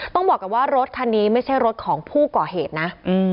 บอกกันว่ารถคันนี้ไม่ใช่รถของผู้ก่อเหตุนะ